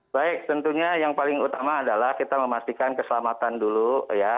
baik tentunya yang paling utama adalah kita memastikan keselamatan dulu ya